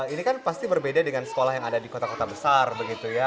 ini kan pasti berbeda dengan sekolah yang ada di kota kota besar begitu ya